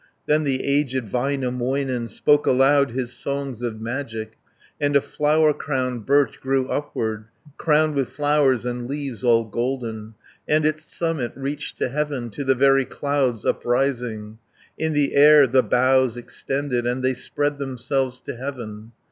30 Then the aged Väinämöinen, Spoke aloud his songs of magic, And a flower crowned birch grew upward, Crowned with flowers, and leaves all golden, And its summit reached to heaven, To the very clouds uprising. In the air the boughs extended, And they spread themselves to heaven.